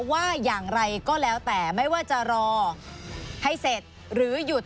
ว่าอย่างไรก็แล้วแต่ไม่ว่าจะรอให้เสร็จหรือหยุด